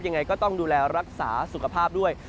ยังไงก็ต้องดูแลรักษาสุขภาพด้วย